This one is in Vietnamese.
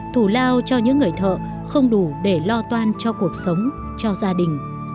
thủ lao cho những người thợ không đủ để lo toan cho cuộc sống cho gia đình